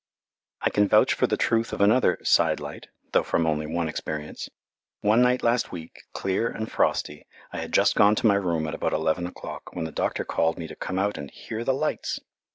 I can vouch for the truth of another "sidelight," though from only one experience. One night last week, clear and frosty, I had just gone to my room at about eleven o'clock when the doctor called me to come out and "hear the lights."